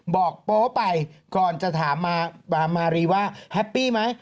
โป๊ไปก่อนจะถามมารีว่าแฮปปี้ไหม